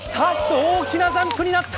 大きなジャンプになった！